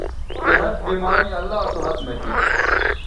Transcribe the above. صحت، بیماری اللہ سو ھت مہ تھی